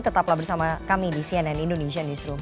tetaplah bersama kami di cnn indonesia newsroom